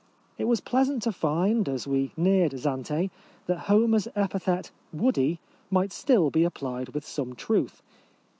It was pleasant to find, as we neared Zante, that Homer's epithet —" woody" — might still be applied with some truth.